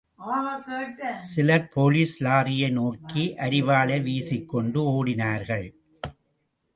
சிலர் போலீஸ் லாரியை நோக்கி அரிவாளை வீசிக்கொண்டு ஓடினார்கள்.